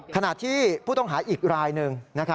ขณะที่ผู้ต้องหาอีกรายหนึ่ง